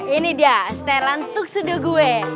ini dia setelan tukse de gue